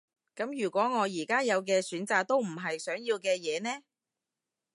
噉如果我而家有嘅選擇都唔係想要嘅嘢呢？